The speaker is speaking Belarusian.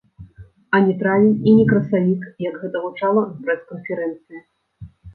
А не травень і не красавік, як гэта гучала на прэс-канферэнцыі.